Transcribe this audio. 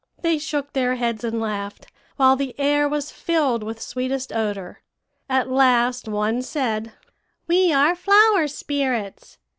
"They shook their heads, and laughed, while the air was filled with sweetest odor. At last one said, "'We are flower spirits.